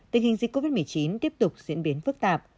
tình hình dịch covid một mươi chín tiếp tục diễn biến phức tạp